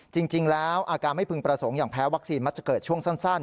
จริงแล้วอาการไม่พึงประสงค์อย่างแพ้วัคซีนมักจะเกิดช่วงสั้น